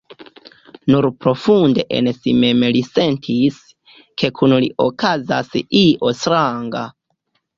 Nur profunde en si mem li sentis, ke kun li okazas io stranga.